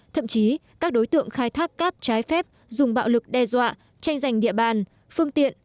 thậm chí các đối tượng khai thác cát trái phép dùng bạo lực đe dọa tranh giành địa bàn phương tiện